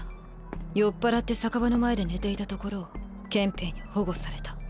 酔っぱらって酒場の前で寝ていたところを憲兵に保護された。